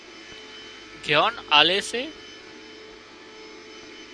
گيان آلي سي